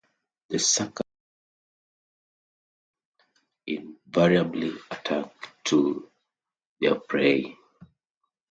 The suckers live almost invariably attached to their prey.